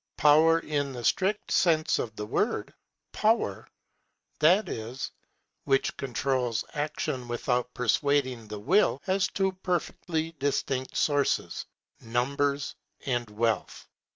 Power, in the strict sense of the word, power, that is, which controls action without persuading the will, has two perfectly distinct sources, numbers and wealth.